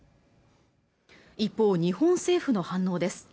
一方日本政府の反応です